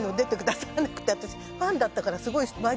私ファンだったからすごい。